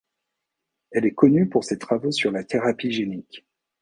Elle est connue pour ses travaux sur la thérapie génique.